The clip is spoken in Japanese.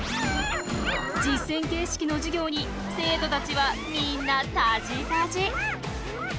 実践形式の授業に生徒たちはみんなたじたじ。